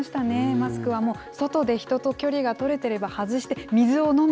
マスクはもう、外で人と距離が取れてれば外して、水を飲む。